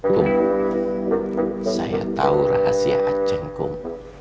kum saya tau rahasia aceh kum